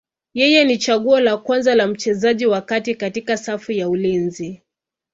Yeye ni chaguo la kwanza la mchezaji wa kati katika safu ya ulinzi.